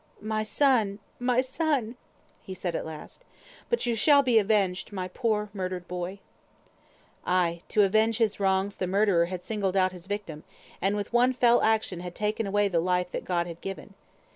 "My son! my son!" he said, at last. "But you shall be avenged, my poor murdered boy." Ay! to avenge his wrongs the murderer had singled out his victim, and with one fell action had taken away the life that God had given.